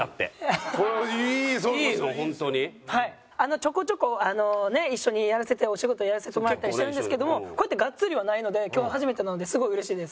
ちょこちょこあのね一緒にやらせてお仕事やらせてもらったりしてるんですけどもこうやってガッツリはないので今日が初めてなのですごいうれしいです。